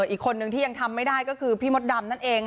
อีกคนนึงที่ยังทำไม่ได้ก็คือพี่มดดำนั่นเอง